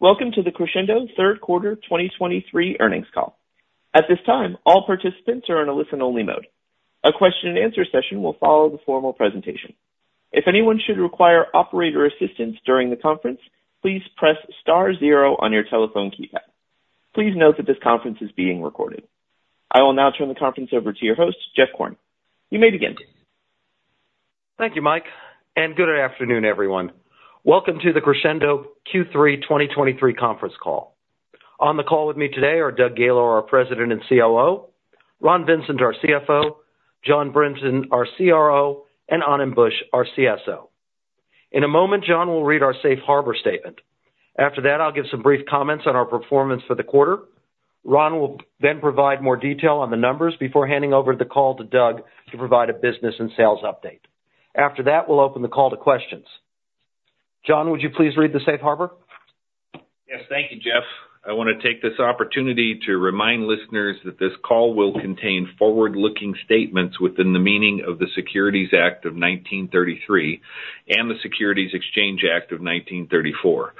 Welcome to the Crexendo Third Quarter 2023 Earnings Call. At this time, all participants are in a listen-only mode. A question-and-answer session will follow the formal presentation. If anyone should require operator assistance during the conference, please press star zero on your telephone keypad. Please note that this conference is being recorded. I will now turn the conference over to your host, Jeff Korn. You may begin. Thank you, Mike, and good afternoon, everyone. Welcome to the Crexendo Q3 2023 conference call. On the call with me today are Doug Gaylor, our President and COO, Ron Vincent, our CFO, Jon Brinton, our CRO, and Anand Buch, our CSO. In a moment, Jon will read our safe harbor statement. After that, I'll give some brief comments on our performance for the quarter. Ron will then provide more detail on the numbers before handing over the call to Doug to provide a business and sales update. After that, we'll open the call to questions. Jon, would you please read the Safe Harbor? Yes. Thank you, Jeff. I want to take this opportunity to remind listeners that this call will contain forward-looking statements within the meaning of the Securities Act of 1933 and the Securities Exchange Act of 1934.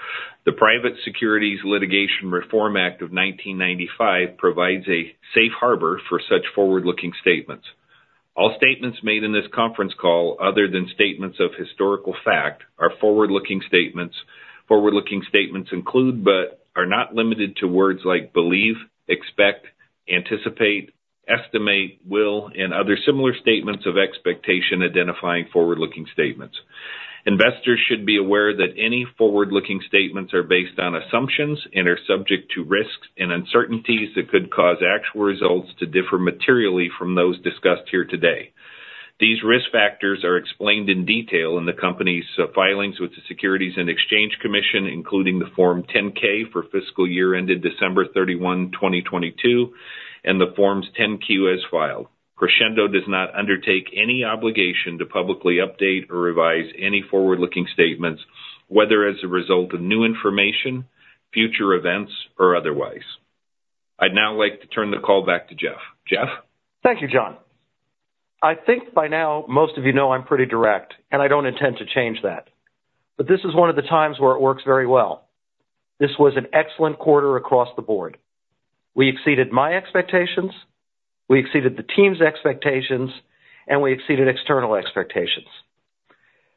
The Private Securities Litigation Reform Act of 1995 provides a safe harbor for such forward-looking statements. All statements made in this conference call, other than statements of historical fact, are forward-looking statements. Forward-looking statements include, but are not limited to, words like believe, expect, anticipate, estimate, will, and other similar statements of expectation identifying forward-looking statements. Investors should be aware that any forward-looking statements are based on assumptions and are subject to risks and uncertainties that could cause actual results to differ materially from those discussed here today. These risk factors are explained in detail in the company's filings with the Securities and Exchange Commission, including the Form 10-K for fiscal year ended December 31, 2022, and the Forms 10-Qs filed. Crexendo does not undertake any obligation to publicly update or revise any forward-looking statements, whether as a result of new information, future events, or otherwise. I'd now like to turn the call back to Jeff. Jeff? Thank you, Jeff. I think by now, most of you know I'm pretty direct, and I don't intend to change that, but this is one of the times where it works very well. This was an excellent quarter across the board. We exceeded my expectations, we exceeded the team's expectations, and we exceeded external expectations.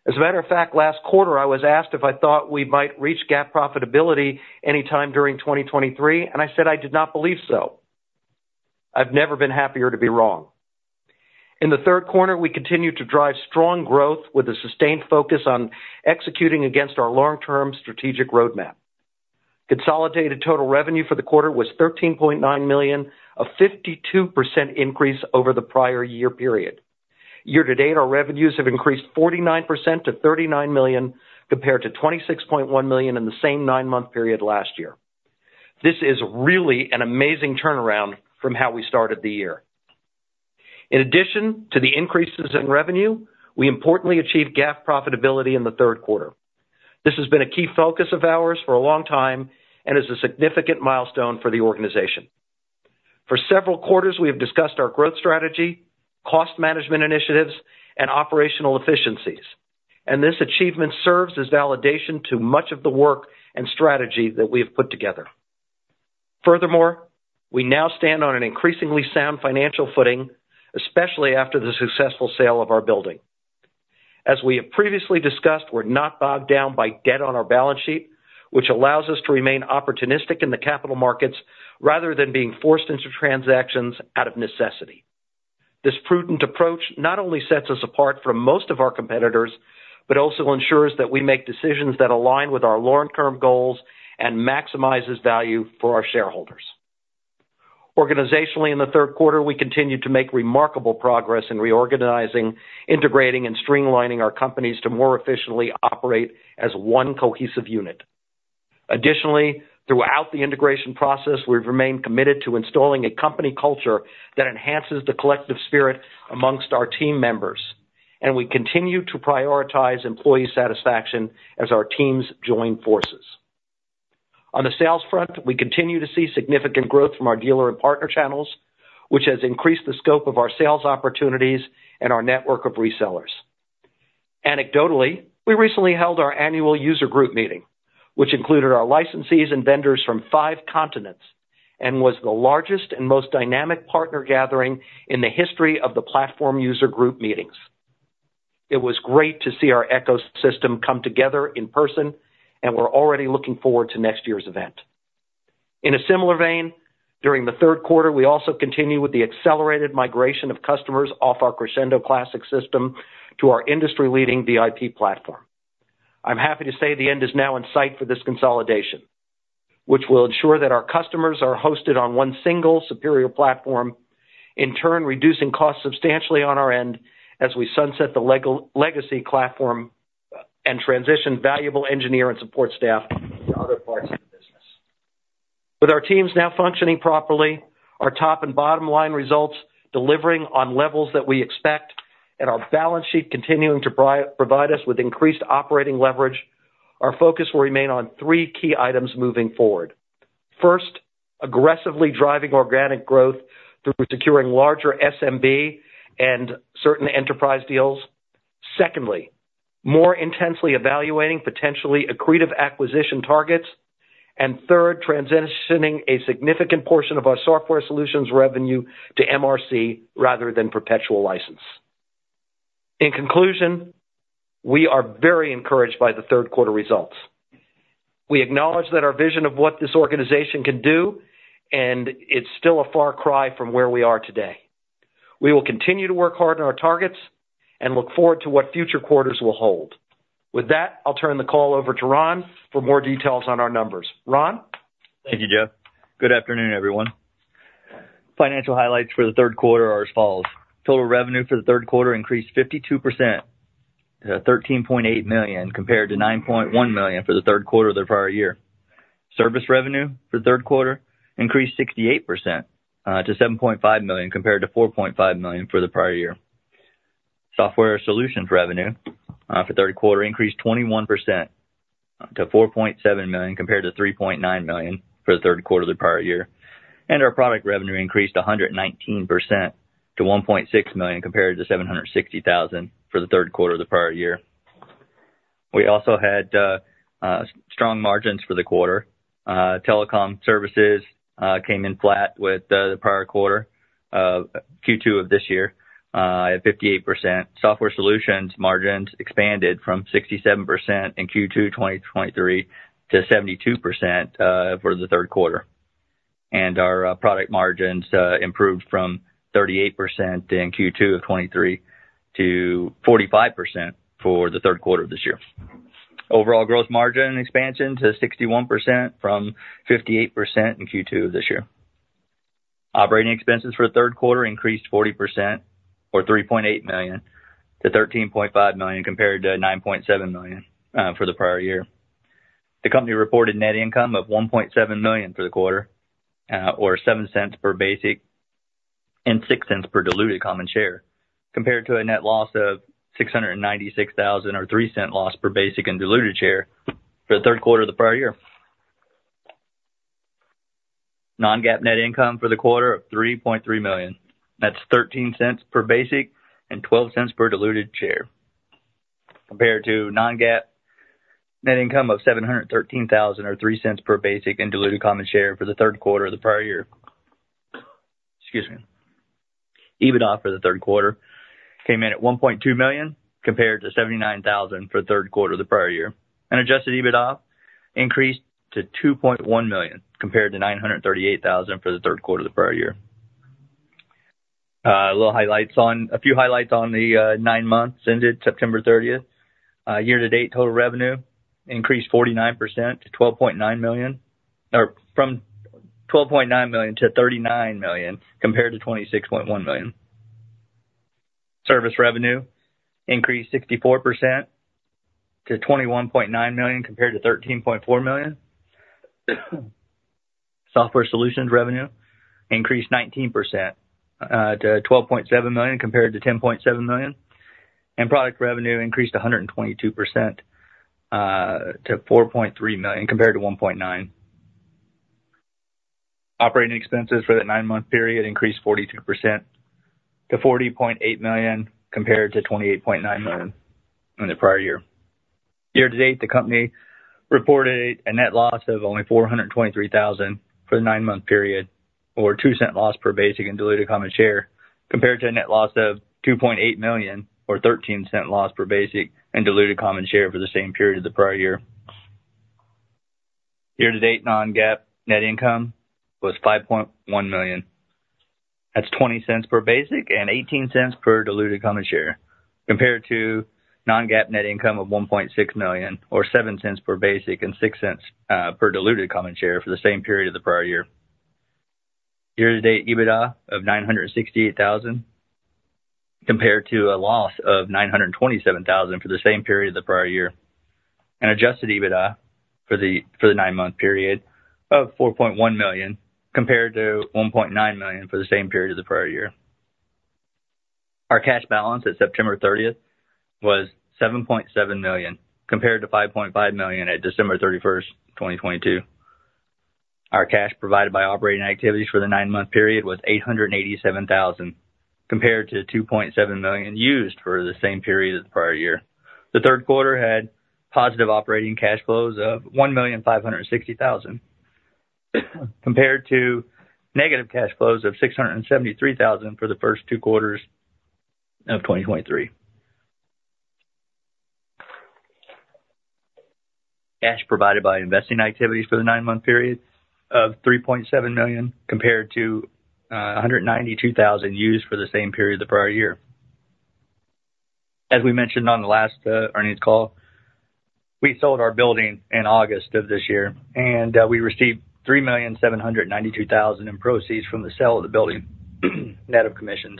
As a matter of fact, last quarter, I was asked if I thought we might reach GAAP profitability anytime during 2023, and I said I did not believe so. I've never been happier to be wrong. In the third quarter, we continued to drive strong growth with a sustained focus on executing against our long-term strategic roadmap. Consolidated total revenue for the quarter was $13.9 million, a 52% increase over the prior year period. Year to date, our revenues have increased 49% to $39 million, compared to $26.1 million in the same nine-month period last year. This is really an amazing turnaround from how we started the year. In addition to the increases in revenue, we importantly achieved GAAP profitability in the third quarter. This has been a key focus of ours for a long time and is a significant milestone for the organization. For several quarters, we have discussed our growth strategy, cost management initiatives, and operational efficiencies, and this achievement serves as validation to much of the work and strategy that we have put together. Furthermore, we now stand on an increasingly sound financial footing, especially after the successful sale of our building. As we have previously discussed, we're not bogged down by debt on our balance sheet, which allows us to remain opportunistic in the capital markets rather than being forced into transactions out of necessity. This prudent approach not only sets us apart from most of our competitors, but also ensures that we make decisions that align with our long-term goals and maximizes value for our shareholders. Organizationally, in the third quarter, we continued to make remarkable progress in reorganizing, integrating, and streamlining our companies to more efficiently operate as one cohesive unit. Additionally, throughout the integration process, we've remained committed to installing a company culture that enhances the collective spirit among our team members, and we continue to prioritize employee satisfaction as our teams join forces. On the sales front, we continue to see significant growth from our dealer and partner channels, which has increased the scope of our sales opportunities and our network of resellers. Anecdotally, we recently held our annual user group meeting, which included our licensees and vendors from five continents and was the largest and most dynamic partner gathering in the history of the platform user group meetings. It was great to see our ecosystem come together in person, and we're already looking forward to next year's event. In a similar vein, during the third quarter, we also continued with the accelerated migration of customers off our Crexendo Classic system to our industry-leading VIP platform. I'm happy to say the end is now in sight for this consolidation, which will ensure that our customers are hosted on one single superior platform, in turn, reducing costs substantially on our end as we sunset the legacy platform and transition valuable engineering and support staff to other parts of the business. With our teams now functioning properly, our top and bottom line results delivering on levels that we expect, and our balance sheet continuing to provide us with increased operating leverage, our focus will remain on three key items moving forward. First, aggressively driving organic growth through securing larger SMB and certain enterprise deals. Secondly, more intensely evaluating potentially accretive acquisition targets, and third, transitioning a significant portion of our software solutions revenue to MRC rather than perpetual license. In conclusion, we are very encouraged by the third quarter results. We acknowledge that our vision of what this organization can do, and it's still a far cry from where we are today. We will continue to work hard on our targets and look forward to what future quarters will hold. With that, I'll turn the call over to Ron for more details on our numbers. Ron? Thank you, Jeff. Good afternoon, everyone. Financial highlights for the third quarter are as follows: Total revenue for the third quarter increased 52% to $13.8 million, compared to $9.1 million for the third quarter of the prior year. Service revenue for the third quarter increased 68% to $7.5 million, compared to $4.5 million for the prior year. Software solutions revenue for the third quarter increased 21% to $4.7 million, compared to $3.9 million for the third quarter of the prior year, and our product revenue increased 119% to $1.6 million, compared to $760,000 for the third quarter of the prior year. We also had strong margins for the quarter. Telecom services came in flat with the prior quarter of Q2 of this year at 58%. Software solutions margins expanded from 67% in Q2 2023 to 72% for the third quarter. Our product margins improved from 38% in Q2 of 2023 to 45% for the third quarter of this year. Overall growth margin expansion to 61% from 58% in Q2 of this year. Operating expenses for the third quarter increased 40% or $3.8 million-$13.5 million, compared to $9.7 million for the prior year. The company reported net income of $1.7 million for the quarter, or $0.07 per basic and $0.06 per diluted common share, compared to a net loss of $696,000 or $0.03 loss per basic and diluted share for the third quarter of the prior year. Non-GAAP net income for the quarter of $3.3 million. That's $0.13 per basic and $0.12 per diluted share, compared to non-GAAP net income of $713,000 or $0.03 per basic and diluted common share for the third quarter of the prior year. Excuse me. EBITDA for the third quarter came in at $1.2 million, compared to $79,000 for the third quarter of the prior year. Adjusted EBITDA increased to $2.1 million, compared to $938,000 for the third quarter of the prior year. A few highlights on the nine months ended September thirtieth. Year to date, total revenue increased 49% to $12.9 million—or from $12.9 million-$39 million, compared to $26.1 million. Service revenue increased 64% to $21.9 million, compared to $13.4 million. Software solutions revenue increased 19% to $12.7 million, compared to $10.7 million, and product revenue increased 122% to $4.3 million, compared to $1.9 million. Operating expenses for the nine-month period increased 42% to $40.8 million, compared to $28.9 million in the prior year. Year to date, the company reported a net loss of only $423,000 for the nine-month period or $0.02 loss per basic and diluted common share, compared to a net loss of $2.8 million or $0.13 loss per basic and diluted common share for the same period of the prior year. Year to date, non-GAAP net income was $5.1 million. That's $0.20 per basic and $0.18 per diluted common share, compared to non-GAAP net income of $1.6 million, or $0.07 per basic and $0.06 per diluted common share for the same period of the prior year. Year to date, EBITDA of $968,000, compared to a loss of $927,000 for the same period of the prior year, and adjusted EBITDA for the nine-month period of $4.1 million, compared to $1.9 million for the same period of the prior year. Our cash balance at September 30 was $7.7 million, compared to $5.5 million at December 31, 2022. Our cash provided by operating activities for the nine-month period was $887,000, compared to $2.7 million used for the same period as the prior year. The third quarter had positive operating cash flows of $1,560,000, compared to negative cash flows of $673,000 for the first two quarters of 2023. Cash provided by investing activities for the nine-month period of $3.7 million, compared to $192,000 used for the same period of the prior year. As we mentioned on the last earnings call, we sold our building in August of this year, and we received $3,792,000 in proceeds from the sale of the building, net of commissions.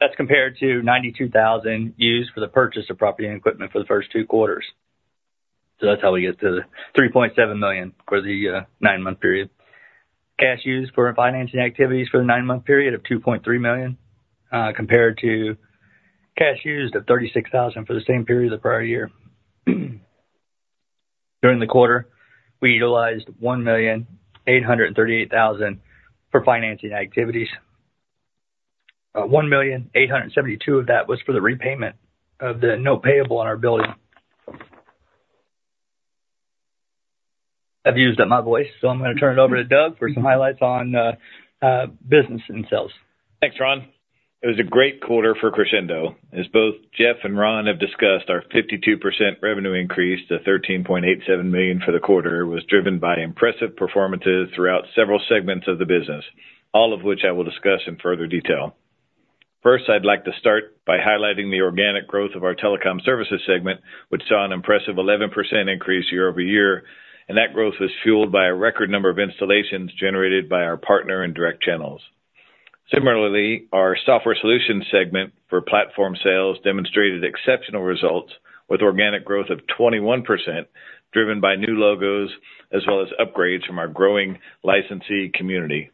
That's compared to $92,000 used for the purchase of property and equipment for the first two quarters. So that's how we get to the $3.7 million for the nine-month period. Cash used for financing activities for the nine-month period of $2.3 million, compared to cash used of $36,000 for the same period of the prior year. During the quarter, we utilized $1,838,000 for financing activities. $1,872,000 of that was for the repayment of the note payable on our building. I've used up my voice, so I'm going to turn it over to Doug for some highlights on business and sales. Thanks, Ron. It was a great quarter for Crexendo. As both Jeff and Ron have discussed, our 52% revenue increase to $13.87 million for the quarter was driven by impressive performances throughout several segments of the business, all of which I will discuss in further detail. First, I'd like to start by highlighting the organic growth of our telecom services segment, which saw an impressive 11% increase year-over-year, and that growth was fueled by a record number of installations generated by our partner and direct channels. Similarly, our software solutions segment for platform sales demonstrated exceptional results with organic growth of 21%, driven by new logos as well as upgrades from our growing licensee community.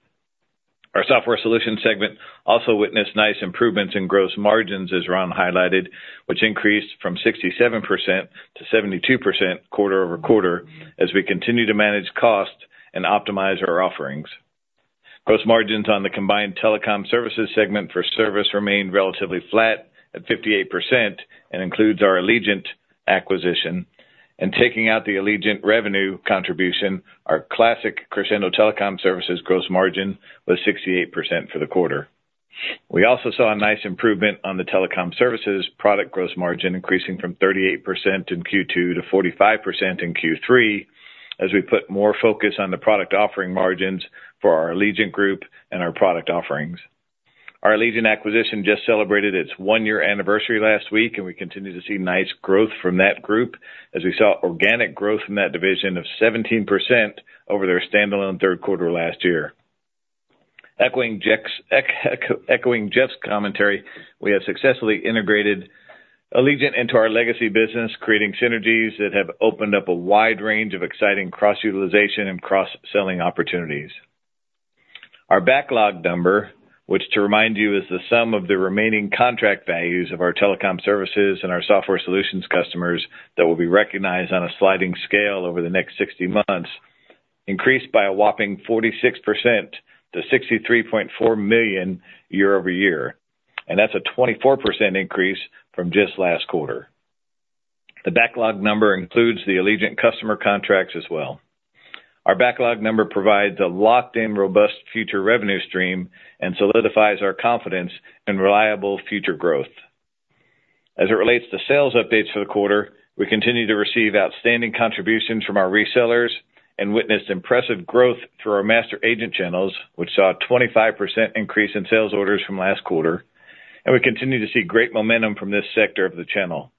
Our software solutions segment also witnessed nice improvements in gross margins, as Ron highlighted, which increased from 67%-72% quarter-over-quarter, as we continue to manage costs and optimize our offerings. Gross margins on the combined telecom services segment for service remained relatively flat at 58% and includes our Allegiant acquisition. Taking out the Allegiant revenue contribution, our classic Crexendo telecom services gross margin was 68% for the quarter. We also saw a nice improvement on the telecom services product gross margin, increasing from 38% in Q2 to 45% in Q3, as we put more focus on the product offering margins for our Allegiant group and our product offerings. Our Allegiant acquisition just celebrated its one-year anniversary last week, and we continue to see nice growth from that group as we saw organic growth in that division of 17% over their standalone third quarter last year. Echoing Jeff's commentary, we have successfully integrated Allegiant into our legacy business, creating synergies that have opened up a wide range of exciting cross-utilization and cross-selling opportunities. Our backlog number, which, to remind you, is the sum of the remaining contract values of our telecom services and our software solutions customers that will be recognized on a sliding scale over the next 60 months, increased by a whopping 46% to $63.4 million year-over-year, and that's a 24% increase from just last quarter. The backlog number includes the Allegiant customer contracts as well. Our backlog number provides a locked-in, robust future revenue stream and solidifies our confidence in reliable future growth. As it relates to sales updates for the quarter, we continue to receive outstanding contributions from our resellers and witnessed impressive growth through our master agent channels, which saw a 25% increase in sales orders from last quarter, and we continue to see great momentum from this sector of the channel.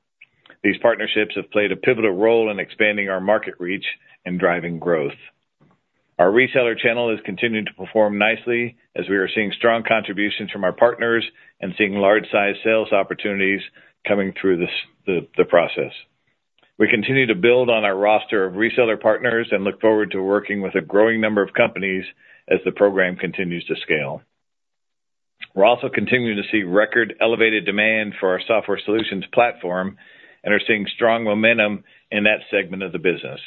These partnerships have played a pivotal role in expanding our market reach and driving growth. Our reseller channel has continued to perform nicely as we are seeing strong contributions from our partners and seeing large-sized sales opportunities coming through this process. We continue to build on our roster of reseller partners and look forward to working with a growing number of companies as the program continues to scale. We're also continuing to see record elevated demand for our software solutions platform and are seeing strong momentum in that segment of the business.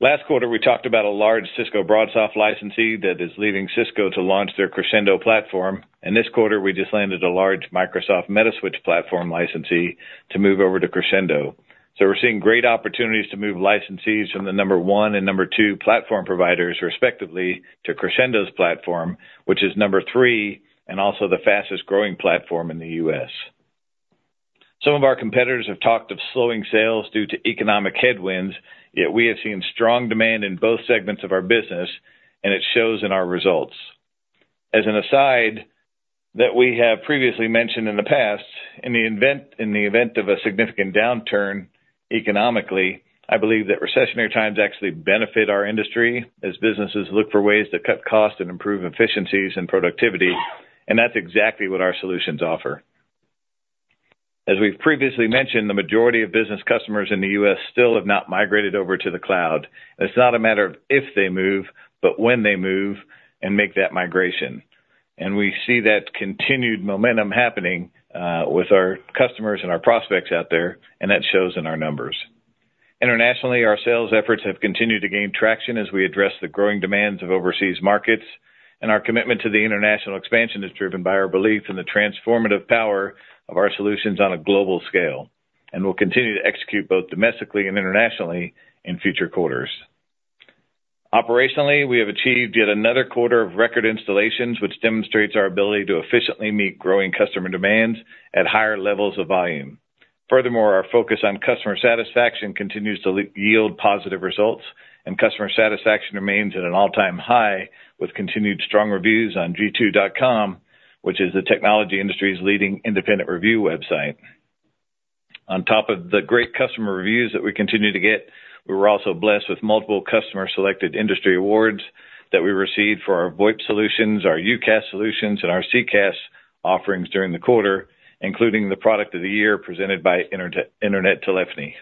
Last quarter, we talked about a large Cisco BroadSoft licensee that is leaving Cisco to launch their Crexendo platform. This quarter, we just landed a large Microsoft Metaswitch platform licensee to move over to Crexendo. We're seeing great opportunities to move licensees from the number one and number two platform providers, respectively, to Crexendo's platform, which is number three and also the fastest-growing platform in the U.S. Some of our competitors have talked of slowing sales due to economic headwinds, yet we have seen strong demand in both segments of our business, and it shows in our results. As an aside, that we have previously mentioned in the past, in the event of a significant downturn economically, I believe that recessionary times actually benefit our industry as businesses look for ways to cut costs and improve efficiencies and productivity, and that's exactly what our solutions offer. As we've previously mentioned, the majority of business customers in the U.S. still have not migrated over to the cloud. It's not a matter of if they move, but when they move and make that migration. We see that continued momentum happening, with our customers and our prospects out there, and that shows in our numbers. Internationally, our sales efforts have continued to gain traction as we address the growing demands of overseas markets, and our commitment to the international expansion is driven by our belief in the transformative power of our solutions on a global scale, and we'll continue to execute both domestically and internationally in future quarters. Operationally, we have achieved yet another quarter of record installations, which demonstrates our ability to efficiently meet growing customer demands at higher levels of volume. Furthermore, our focus on customer satisfaction continues to yield positive results, and customer satisfaction remains at an all-time high, with continued strong reviews on G2.com, which is the technology industry's leading independent review website. On top of the great customer reviews that we continue to get, we were also blessed with multiple customer-selected industry awards that we received for our VoIP solutions, our UCaaS solutions, and our CCaaS offerings during the quarter, including the Product of the Year presented by Internet Telephony.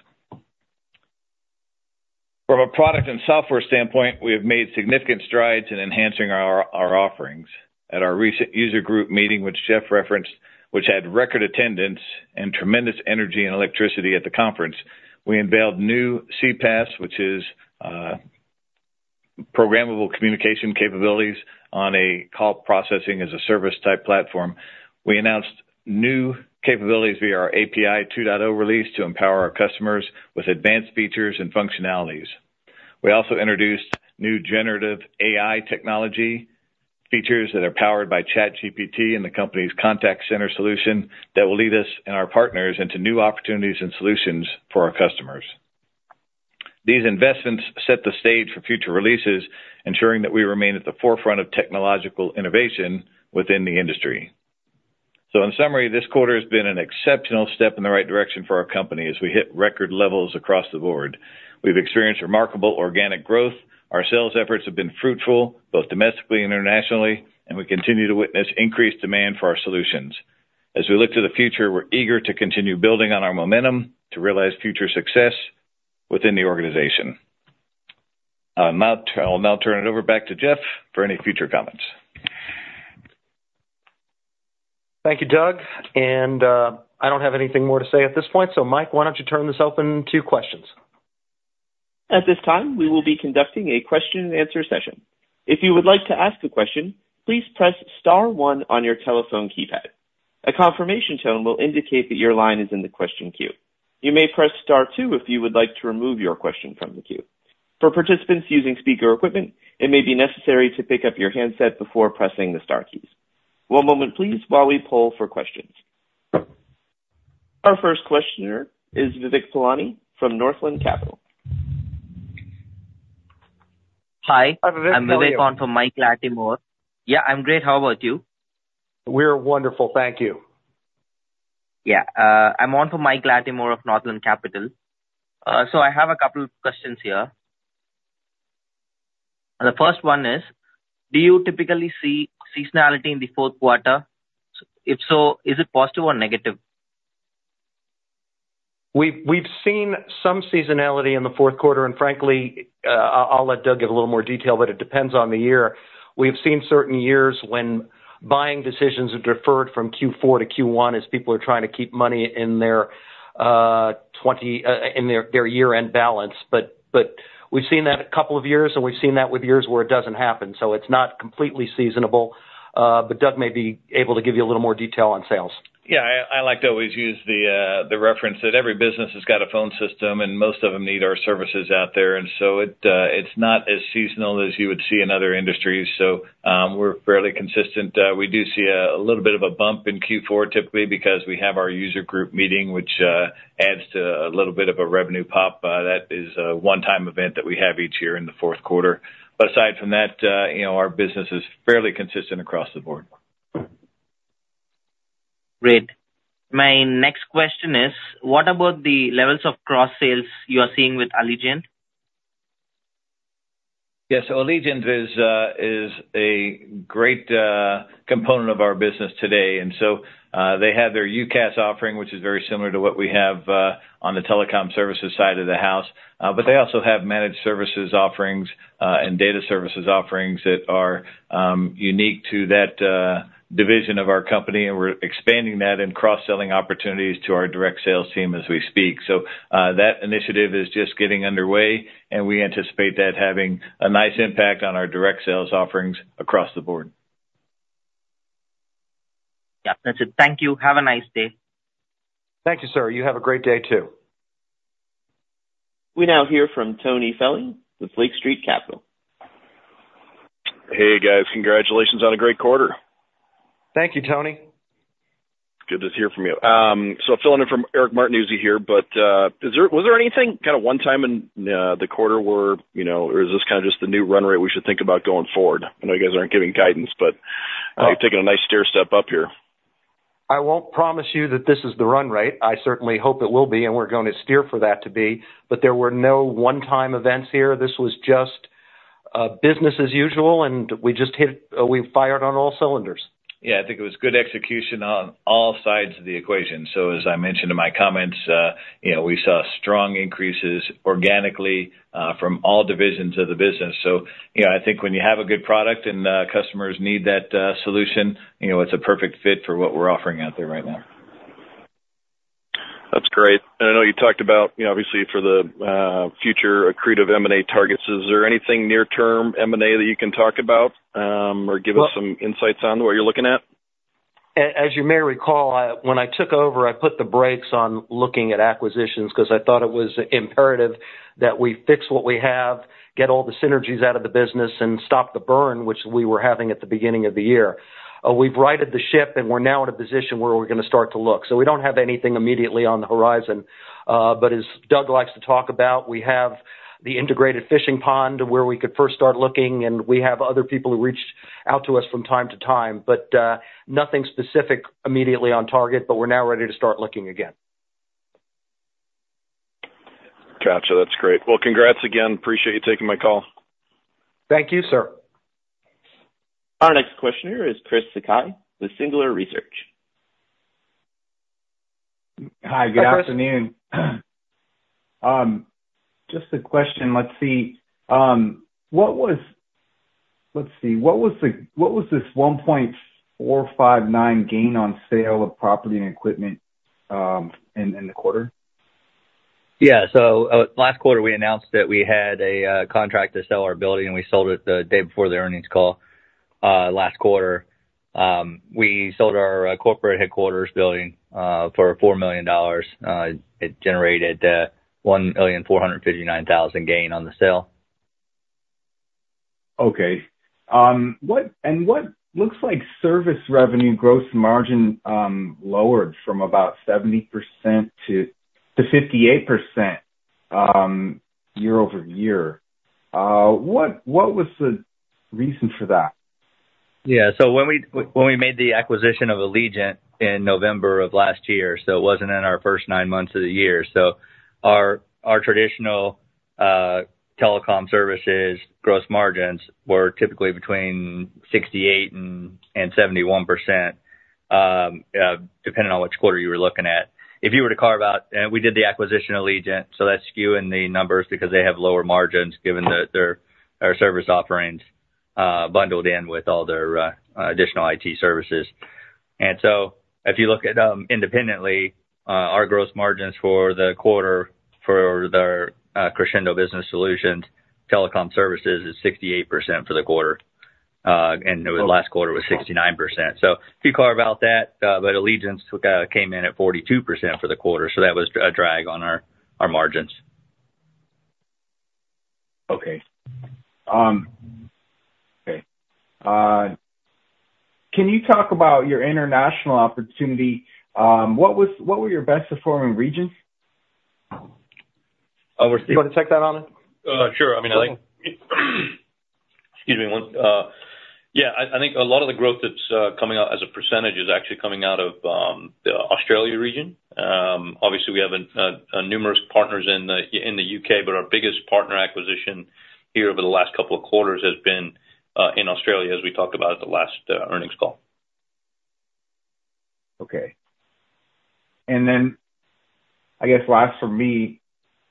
From a product and software standpoint, we have made significant strides in enhancing our, our offerings. At our recent user group meeting, which Jeff referenced, which had record attendance and tremendous energy and electricity at the conference, we unveiled new CPaaS, which is programmable communication capabilities on a call processing as a service type platform. We announced new capabilities via our API 2.0 release to empower our customers with advanced features and functionalities. We also introduced new generative AI technology features that are powered by ChatGPT and the company's contact center solution that will lead us and our partners into new opportunities and solutions for our customers. These investments set the stage for future releases, ensuring that we remain at the forefront of technological innovation within the industry. In summary, this quarter has been an exceptional step in the right direction for our company as we hit record levels across the board. We've experienced remarkable organic growth, our sales efforts have been fruitful, both domestically and internationally, and we continue to witness increased demand for our solutions. As we look to the future, we're eager to continue building on our momentum to realize future success within the organization. Now, I'll now turn it over back to Jeff for any future comments. Thank you, Doug, and I don't have anything more to say at this point. So Mike, why don't you turn this open to questions? At this time, we will be conducting a question and answer session. If you would like to ask a question, please press star one on your telephone keypad. A confirmation tone will indicate that your line is in the question queue. You may press star two if you would like to remove your question from the queue. For participants using speaker equipment, it may be necessary to pick up your handset before pressing the star keys. One moment please, while we poll for questions. Our first questioner is Vivek Palani from Northland Capital. Hi, I'm Vivek on for Mike Latimore. Yeah, I'm great. How about you? We're wonderful, thank you. Yeah. I'm on for Mike Latimore of Northland Capital. So I have a couple of questions here. The first one is: Do you typically see seasonality in the fourth quarter? If so, is it positive or negative? We've seen some seasonality in the fourth quarter, and frankly, I'll let Doug give a little more detail, but it depends on the year. We've seen certain years when buying decisions are deferred from Q4 to Q1, as people are trying to keep money in their year-end balance. But we've seen that a couple of years, and we've seen that with years where it doesn't happen. So it's not completely seasonable, but Doug may be able to give you a little more detail on sales. Yeah. I like to always use the reference that every business has got a phone system, and most of them need our services out there. And so it's not as seasonal as you would see in other industries. So, we're fairly consistent. We do see a little bit of a bump in Q4, typically, because we have our user group meeting, which adds to a little bit of a revenue pop. That is a one-time event that we have each year in the fourth quarter. But aside from that, you know, our business is fairly consistent across the board. Great. My next question is: What about the levels of cross sales you are seeing with Allegiant? Yeah. So Allegiant is a great component of our business today, and so, they have their UCaaS offering, which is very similar to what we have on the telecom services side of the house. But they also have managed services offerings and data services offerings that are unique to that division of our company, and we're expanding that and cross-selling opportunities to our direct sales team as we speak. So, that initiative is just getting underway, and we anticipate that having a nice impact on our direct sales offerings across the board. Yeah. That's it. Thank you. Have a nice day. Thank you, sir. You have a great day, too. We now hear from Tony Felling with Lake Street Capital. Hey, guys. Congratulations on a great quarter. Thank you, Tony. Good to hear from you. So filling in from Eric Martinuzzi, new here, but, was there anything kind of one time in the quarter where, you know, or is this kind of just the new run rate we should think about going forward? I know you guys aren't giving guidance, but you're taking a nice stair step up here. I won't promise you that this is the run rate. I certainly hope it will be, and we're going to steer for that to be. But there were no one-time events here. This was just, business as usual, and we just hit, we fired on all cylinders. Yeah. I think it was good execution on all sides of the equation. So as I mentioned in my comments, you know, we saw strong increases organically from all divisions of the business. So, you know, I think when you have a good product and, customers need that, solution, you know, it's a perfect fit for what we're offering out there right now. That's great. I know you talked about, you know, obviously, for the future accretive M&A targets. Is there anything near term M&A that you can talk about, or give us some insights on what you're looking at? As you may recall, when I took over, I put the brakes on looking at acquisitions because I thought it was imperative that we fix what we have, get all the synergies out of the business, and stop the burn, which we were having at the beginning of the year. We've righted the ship, and we're now in a position where we're gonna start to look. We don't have anything immediately on the horizon, but as Doug likes to talk about, we have the integrated fishing pond where we could first start looking, and we have other people who reached out to us from time to time, but nothing specific immediately on target, but we're now ready to start looking again. Gotcha. That's great. Well, congrats again. Appreciate you taking my call. Thank you, sir. Our next questioner is Chris Sakai with Singular Research. Hi, good afternoon. Just a question. What was this $1.459 gain on sale of property and equipment in the quarter? Yeah. So, last quarter, we announced that we had a contract to sell our building, and we sold it the day before the earnings call. Last quarter, we sold our corporate headquarters building for $4 million. It generated $1,459,000 gain on the sale. Okay. What looks like service revenue gross margin lowered from about 70%-58% year-over-year. What was the reason for that? Yeah. So when we made the acquisition of Allegiant in November of last year, so it wasn't in our first nine months of the year. So our traditional telecom services gross margins were typically between 68% and 71%, depending on which quarter you were looking at. If you were to carve out, we did the acquisition of Allegiant, so that's skewing the numbers because they have lower margins, given that their service offerings bundled in with all their additional IT services. And so if you look at them independently, our gross margins for the quarter for their Crexendo Business Solutions telecom services is 68% for the quarter. And the last quarter was 69%. So if you carve out that, but Allegiant took, came in at 42% for the quarter, so that was a drag on our margins. Can you talk about your international opportunity? What were your best performing regions? You want to take that, Doug? Sure. I mean, excuse me one. Yeah, I think a lot of the growth that's coming out as a percentage is actually coming out of the Australia region. Obviously, we have numerous partners in the U.K., but our biggest partner acquisition here over the last couple of quarters has been in Australia, as we talked about at the last earnings call. Okay. And then I guess last for me,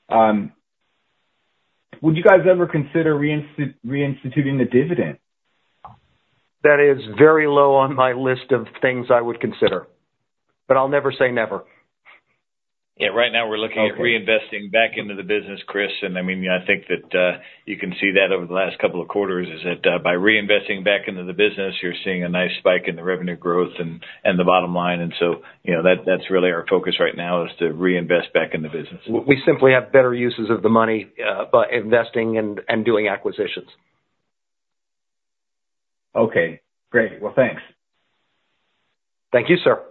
would you guys ever consider reinstituting the dividend? That is very low on my list of things I would consider, but I'll never say never. Yeah. Right now, we're looking at reinvesting back into the business, Chris. And I mean, I think that you can see that over the last couple of quarters, is that by reinvesting back into the business, you're seeing a nice spike in the revenue growth and the bottom line. And so, you know, that's really our focus right now, is to reinvest back in the business. We simply have better uses of the money by investing and doing acquisitions. Okay, great. Well, thanks. Thank you, sir.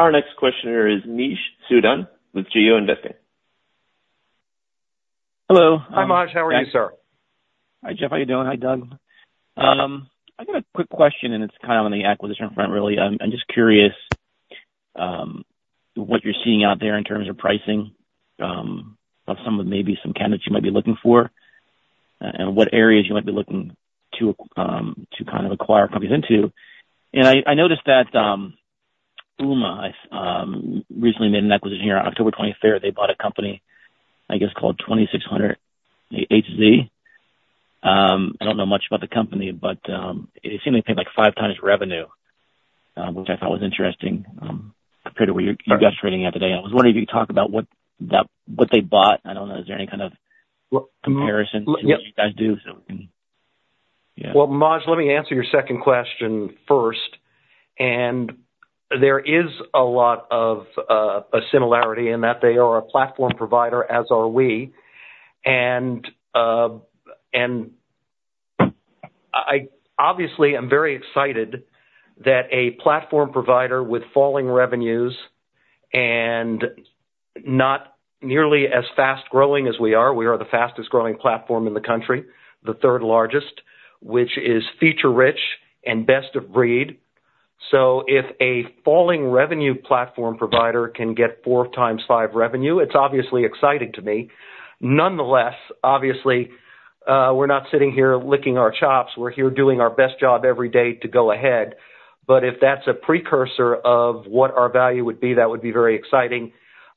Our next questioner is Maj Soueidan with GeoInvesting. Hello. Hi, Maj, how are you, sir? Hi, Jeff. How you doing? Hi, Doug. I got a quick question, and it's kind of on the acquisition front, really. I'm just curious what you're seeing out there in terms of pricing of some of maybe some candidates you might be looking for, and what areas you might be looking to to kind of acquire companies into. I noticed that Ooma recently made an acquisition. Here on October 23rd, they bought a company, I guess, called 2600Hz. I don't know much about the company, but it seemed they paid, like, 5x revenue, which I thought was interesting compared to what you guys are trading at today. I was wondering if you could talk about what they bought. I don't know. Is there any kind of comparison to what you guys do, so we can- Well, Maj, let me answer your second question first. And there is a lot of a similarity in that they are a platform provider, as are we, and I obviously am very excited that a platform provider with falling revenues and not nearly as fast-growing as we are, we are the fastest growing platform in the country, the third largest, which is feature-rich and best of breed. So if a falling revenue platform provider can get four times five revenue, it's obviously exciting to me. Nonetheless, obviously, we're not sitting here licking our chops. We're here doing our best job every day to go ahead. But if that's a precursor of what our value would be, that would be very exciting.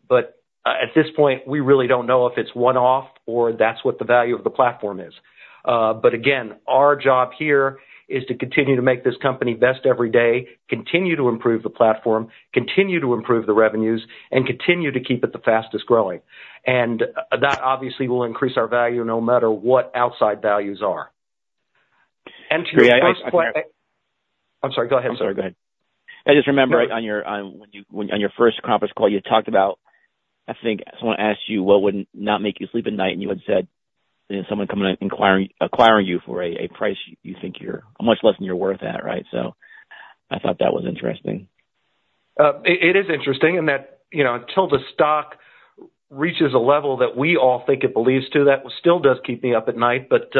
But at this point, we really don't know if it's one-off or that's what the value of the platform is. But again, our job here is to continue to make this company best every day, continue to improve the platform, continue to improve the revenues, and continue to keep it the fastest growing. And that obviously will increase our value no matter what outside values are. And to your- I'm sorry. Go ahead. I'm sorry. Go ahead. I just remember on your first conference call, you talked about, I think someone asked you what would not make you sleep at night, and you had said someone coming in acquiring you for a price you think you're much less than you're worth at, right? So I thought that was interesting. It is interesting in that, you know, until the stock reaches a level that we all think it believes to, that still does keep me up at night. But,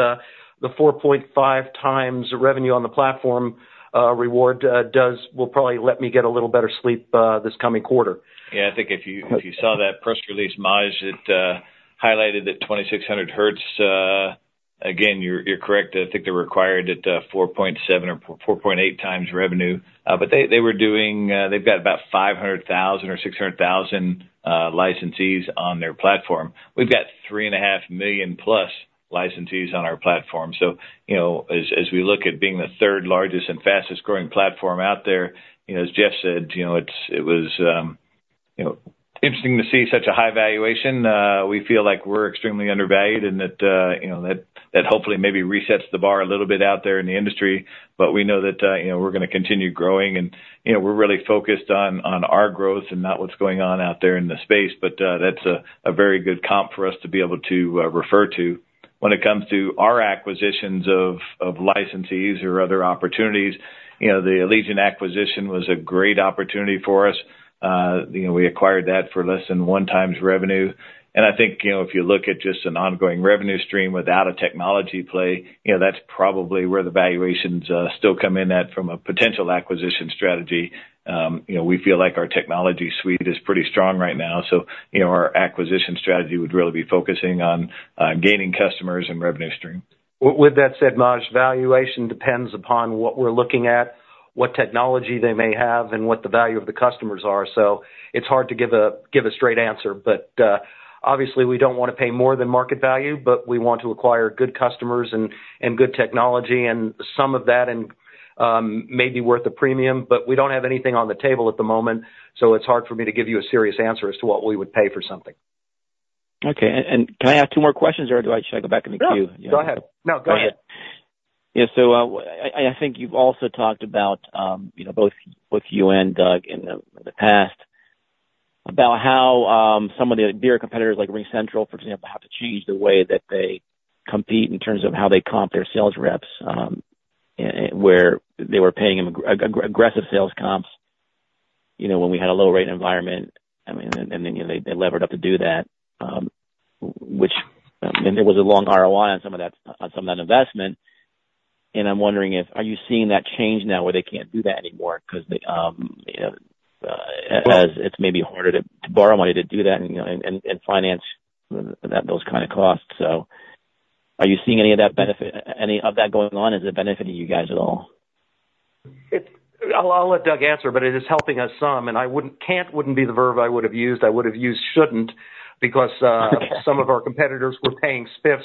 the 4.5x revenue on the platform, forward, does... Will probably let me get a little better sleep, this coming quarter. Yeah, I think if you saw that press release, Maj, it highlighted that 2600Hz. Again, you're correct. I think they're acquired at 4.7x or 4.8x revenue. But they were doing, they've got about 500,000 or 600,000 licensees on their platform. We've got 3.5 million+ licensees on our platform. So, you know, as we look at being the third largest and fastest growing platform out there, you know, as Jeff said, you know, it was interesting to see such a high valuation. We feel like we're extremely undervalued and that, you know, that hopefully maybe resets the bar a little bit out there in the industry. But we know that, you know, we're gonna continue growing and, you know, we're really focused on our growth and not what's going on out there in the space. But that's a very good comp for us to be able to refer to. When it comes to our acquisitions of licensees or other opportunities, you know, the Allegiant acquisition was a great opportunity for us. You know, we acquired that for less than 1x revenue. And I think, you know, if you look at just an ongoing revenue stream without a technology play, you know, that's probably where the valuations still come in at from a potential acquisition strategy. You know, we feel like our technology suite is pretty strong right now, so, you know, our acquisition strategy would really be focusing on gaining customers and revenue stream. With that said, Maj, valuation depends upon what we're looking at, what technology they may have and what the value of the customers are. So it's hard to give a straight answer, but obviously we don't want to pay more than market value, but we want to acquire good customers and good technology, and some of that may be worth a premium, but we don't have anything on the table at the moment, so it's hard for me to give you a serious answer as to what we would pay for something. Okay. And can I ask two more questions, or should I go back in the queue? No, go ahead. No, go ahead. Yeah. So, I think you've also talked about, you know, both you and Doug, in the past, about how some of the bigger competitors, like RingCentral, for example, have to change the way that they compete in terms of how they comp their sales reps, where they were paying them aggressive sales comps, you know, when we had a low rate environment, I mean, and then, you know, they levered up to do that, which, and there was a long ROI on some of that, on some of that investment. And I'm wondering if, are you seeing that change now, where they can't do that anymore? 'Cause they, you know, as it's maybe harder to borrow money to do that and, you know, and finance that, those kind of costs. So are you seeing any of that benefit, any of that going on? Is it benefiting you guys at all? It... I'll let Doug answer, but it is helping us some, and I wouldn't—can't, wouldn't be the verb I would have used. I would have used shouldn't, because. Okay. Some of our competitors were paying spiffs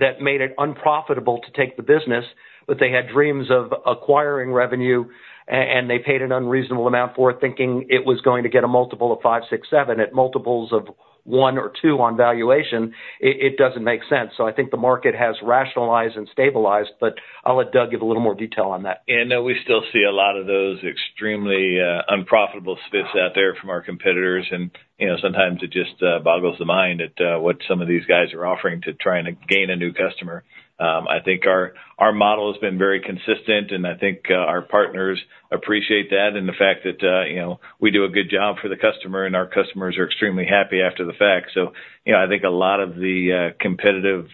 that made it unprofitable to take the business, but they had dreams of acquiring revenue, and they paid an unreasonable amount for it, thinking it was going to get a multiple of five, six, seven. At multiples of one or two on valuation, it doesn't make sense. So I think the market has rationalized and stabilized. But I'll let Doug give a little more detail on that. We still see a lot of those extremely unprofitable spiffs out there from our competitors. You know, sometimes it just boggles the mind at what some of these guys are offering to try and gain a new customer. I think our model has been very consistent, and I think our partners appreciate that and the fact that, you know, we do a good job for the customer, and our customers are extremely happy after the fact. So, you know, I think a lot of the competitive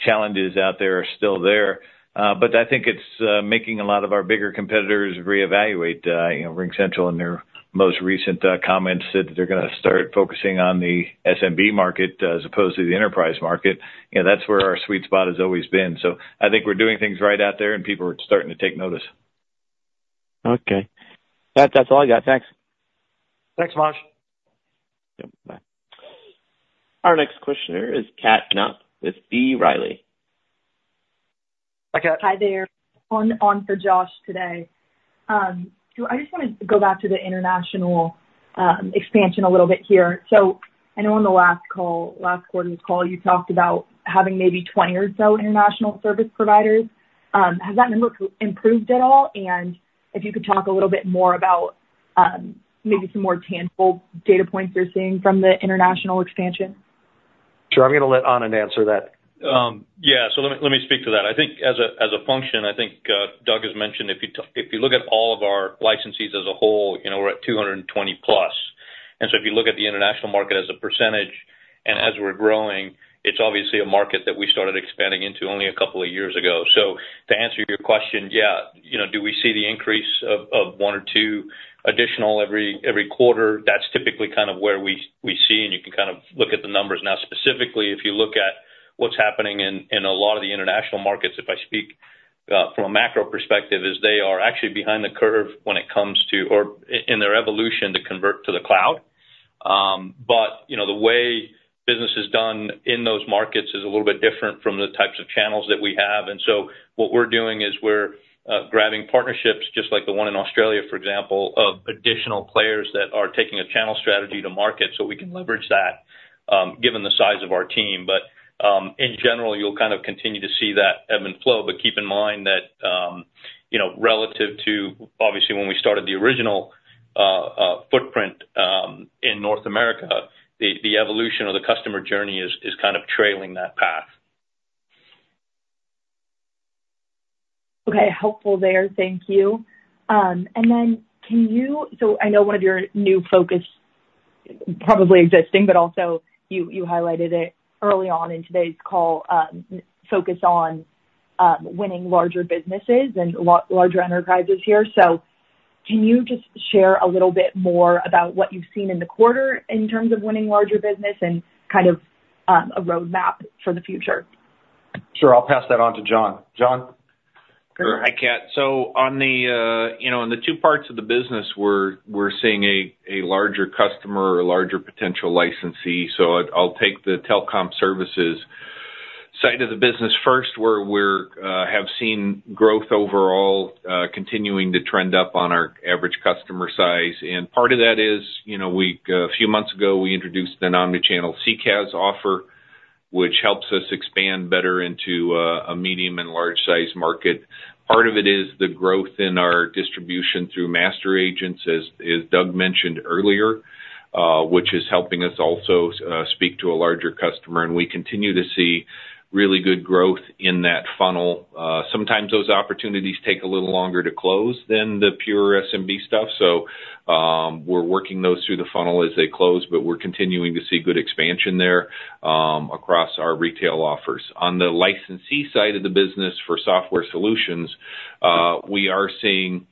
challenges out there are still there, but I think it's making a lot of our bigger competitors reevaluate. You know, RingCentral, in their most recent comments, said that they're gonna start focusing on the SMB market as opposed to the enterprise market. You know, that's where our sweet spot has always been. So I think we're doing things right out there and people are starting to take notice. Okay. That's all I got. Thanks. Thanks, Maj. Yep. Bye. Our next questioner is Kat Knop with B. Riley. Hi, Kat. Hi there. On for Josh today. So I just wanna go back to the international expansion a little bit here. So I know on the last call, last quarter's call, you talked about having maybe 20 or so international service providers. Has that improved at all? And if you could talk a little bit more about maybe some more tangible data points you're seeing from the international expansion. Sure. I'm gonna let Anand answer that. Yeah. So let me speak to that. I think as a function, I think, Doug has mentioned, if you look at all of our licensees as a whole, you know, we're at 200+. And so if you look at the international market as a percentage, and as we're growing, it's obviously a market that we started expanding into only a couple of years ago. So to answer your question, yeah, you know, do we see the increase of one or two additional every quarter? That's typically kind of where we see, and you can kind of look at the numbers. Now, specifically, if you look at what's happening in a lot of the international markets, if I speak from a macro perspective, they are actually behind the curve when it comes to their evolution to convert to the cloud. You know, the way business is done in those markets is a little bit different from the types of channels that we have. And so what we're doing is we're grabbing partnerships, just like the one in Australia, for example, of additional players that are taking a channel strategy to market, so we can leverage that given the size of our team. In general, you'll kind of continue to see that ebb and flow, but keep in mind that, you know, relative to obviously when we started the original footprint in North America, the evolution or the customer journey is kind of trailing that path. Okay. Helpful there. Thank you. And then can you—so I know one of your new focus, probably existing, but also you, you highlighted it early on in today's call, focus on winning larger businesses and larger enterprises here. So, can you just share a little bit more about what you've seen in the quarter in terms of winning larger business and kind of, a roadmap for the future? Sure. I'll pass that on to Jon. Jon? Hi, Kat. So on the, you know, on the two parts of the business, we're seeing a larger customer or a larger potential licensee. So I'll take the telecom services side of the business first, where we have seen growth overall, continuing to trend up on our average customer size, and part of that is, you know, a few months ago, we introduced an omni-channel CCaaS offer, which helps us expand better into a medium and large size market. Part of it is the growth in our distribution through master agents, as Doug mentioned earlier, which is helping us also speak to a larger customer, and we continue to see really good growth in that funnel. Sometimes those opportunities take a little longer to close than the pure SMB stuff, so, we're working those through the funnel as they close, but we're continuing to see good expansion there, across our retail offers. On the licensee side of the business for software solutions, we are seeing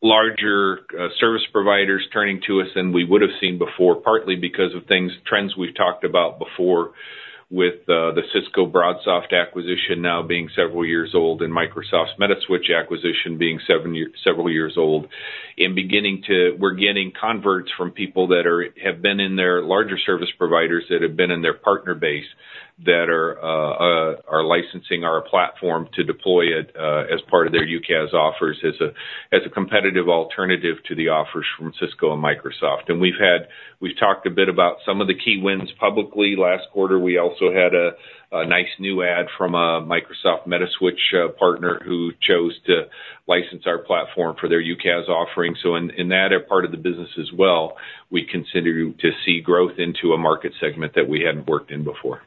larger service providers turning to us than we would have seen before, partly because of things, trends we've talked about before with the Cisco BroadSoft acquisition now being several years old, and Microsoft's Metaswitch acquisition being several years old. In beginning to... We're getting converts from people that have been in their larger service providers, that have been in their partner base, that are licensing our platform to deploy it as part of their UCaaS offers, as a competitive alternative to the offers from Cisco and Microsoft. We've talked a bit about some of the key wins publicly. Last quarter, we also had a nice new add from a Microsoft Metaswitch partner who chose to license our platform for their UCaaS offering. So in that part of the business as well, we continue to see growth into a market segment that we hadn't worked in before.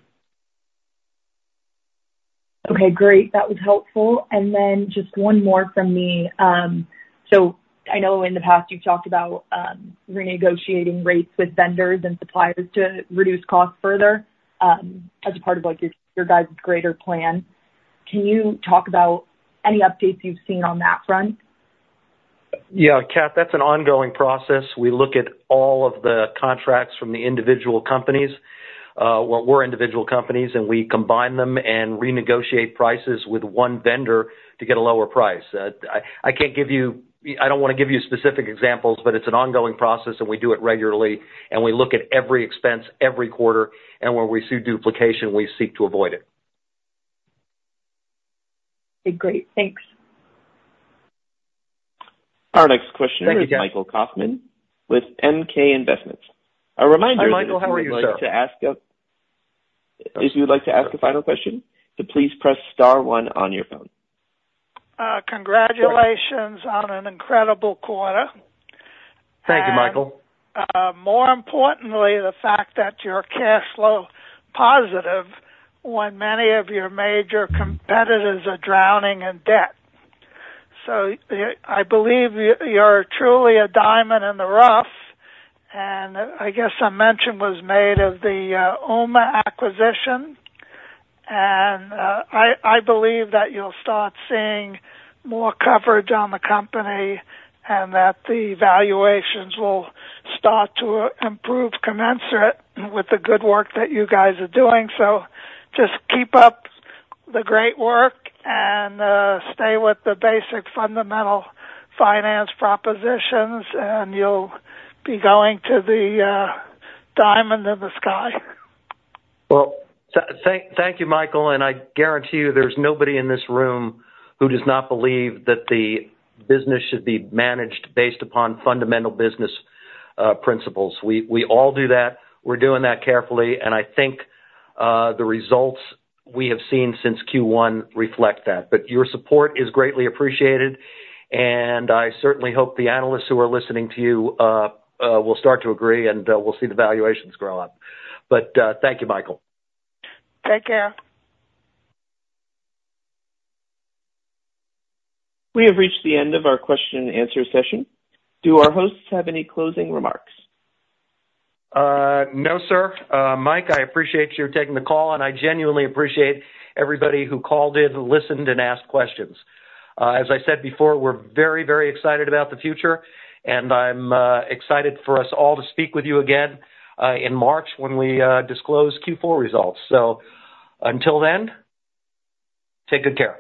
Okay, great. That was helpful. And then just one more from me. So I know in the past you've talked about renegotiating rates with vendors and suppliers to reduce costs further, as a part of, like, your, your guys' greater plan. Can you talk about any updates you've seen on that front? Yeah, Kat, that's an ongoing process. We look at all of the contracts from the individual companies, we're individual companies, and we combine them and renegotiate prices with one vendor to get a lower price. I, I can't give you... I don't wanna give you specific examples, but it's an ongoing process, and we do it regularly, and we look at every expense every quarter, and where we see duplication, we seek to avoid it. Okay, great. Thanks. Our next question- Thank you, Kat. is Michael Kaufman with MK Investments. Hi, Michael, how are you, sir? If you would like to ask a final question, then please press star one on your phone. Congratulations on an incredible quarter. Thank you, Michael. More importantly, the fact that you're cash flow positive when many of your major competitors are drowning in debt. So, I believe you're truly a diamond in the rough, and I guess a mention was made of the Ooma acquisition. I believe that you'll start seeing more coverage on the company and that the valuations will start to improve commensurate with the good work that you guys are doing. So, just keep up the great work and stay with the basic, fundamental finance propositions, and you'll be going to the diamond in the sky. Well, thank you, Michael. And I guarantee you there's nobody in this room who does not believe that the business should be managed based upon fundamental business principles. We all do that. We're doing that carefully, and I think the results we have seen since Q1 reflect that. But your support is greatly appreciated, and I certainly hope the analysts who are listening to you will start to agree, and we'll see the valuations grow up. But thank you, Michael. Take care. We have reached the end of our question and answer session. Do our hosts have any closing remarks? No, sir. Mike, I appreciate you taking the call, and I genuinely appreciate everybody who called in, listened, and asked questions. As I said before, we're very, very excited about the future, and I'm excited for us all to speak with you again in March, when we disclose Q4 results. So until then, take good care.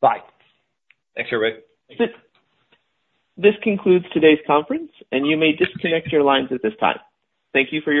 Bye. Thanks, everybody. This concludes today's conference, and you may disconnect your lines at this time. Thank you for your participation.